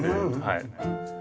はい。